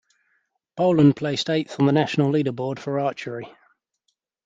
Poland placed eighth on the national leaderboard for archery.